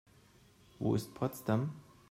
Wo ist Potsdam?